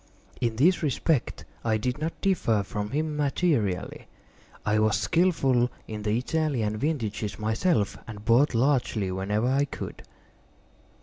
In this respect I did not differ from him materially: I was skilful in the Italian vintages myself, and bought largely whenever I could.